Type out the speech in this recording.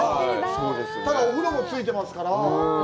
ただお風呂も付いてますから。